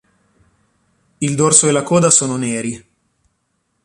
Il dorso e la coda sono neri.